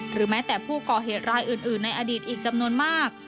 แม้แต่ผู้ก่อเหตุรายอื่นในอดีตอีกจำนวนมาก